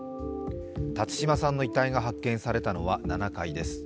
辰島さんの遺体が発見されたのは７階です。